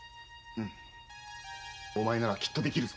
うんお前ならきっとできる。